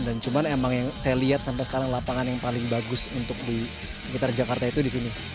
dan cuma emang yang saya lihat sampai sekarang lapangan yang paling bagus untuk di sekitar jakarta itu di sini